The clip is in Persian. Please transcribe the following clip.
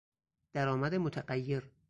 درآمد متغیر